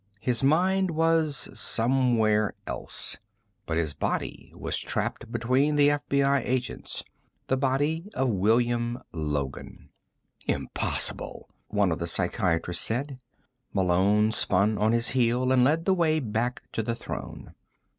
His mind was somewhere else. But his body was trapped between the FBI agents: the body of William Logan. "Impossible," one of the psychiatrists said. Malone spun on his heel and led the way back to the throne.